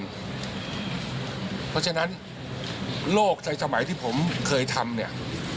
เพราะฉะนั้นโลกในสมัยที่ผมเคยทำเนี่ย